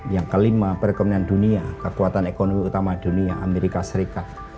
yang kelima perekonomian dunia kekuatan ekonomi utama dunia amerika serikat